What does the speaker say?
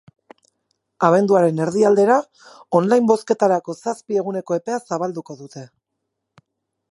Abenduaren erdialdera online bozketarako zazpi eguneko epea zabalduko dute.